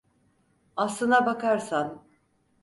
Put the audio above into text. Aslına bakarsan…